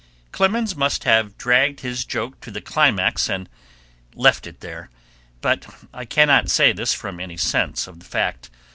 Clemens must have dragged his joke to the climax and left it there, but I cannot say this from any sense of the fact.